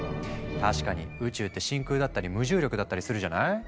確かに宇宙って真空だったり無重力だったりするじゃない？